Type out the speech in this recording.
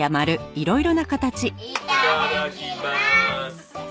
いただきます。